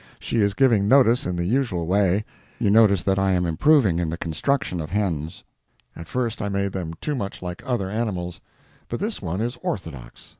She is giving notice in the usual way. You notice I am improving in the construction of hens. At first I made them too much like other animals, but this one is orthodox.